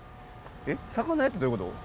えっ魚屋ってどういうこと？